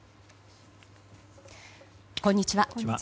こんにちは。